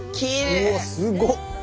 うわっすごっ！